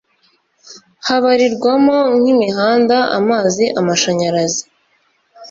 habarirwamo nk'imihanda, amazi, amashanyarazi,..